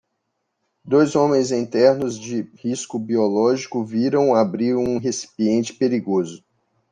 Dois homens em ternos de risco biológico viram abrir um recipiente perigoso.